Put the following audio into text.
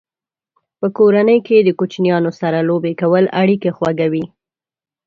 په کورنۍ کې د کوچنیانو سره لوبې کول اړیکې خوږوي.